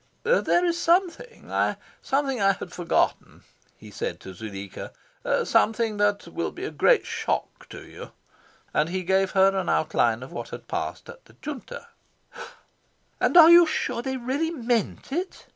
"There is something something I had forgotten," he said to Zuleika, "something that will be a great shock to you"; and he gave her an outline of what had passed at the Junta. "And you are sure they really MEANT it?"